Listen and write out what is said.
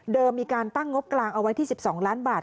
มีการตั้งงบกลางเอาไว้ที่๑๒ล้านบาท